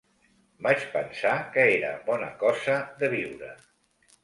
Vaig pensar que era bona cosa de viure